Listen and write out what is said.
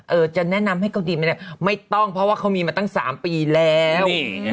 อื้อจะแนะนำให้เขาดีไม่ต้องเพราะว่าเค้ามีมาตั้ง๓ปีแล้ว